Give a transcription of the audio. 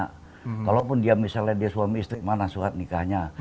kalaupun dia misalnya dia suami istri mana surat nikahnya